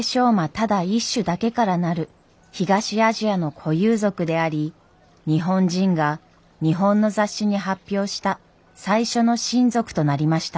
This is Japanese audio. ただ一種だけからなる東アジアの固有属であり日本人が日本の雑誌に発表した最初の新属となりました。